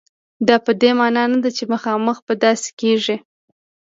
دا په دې معنا نه ده چې خامخا به داسې کېږي.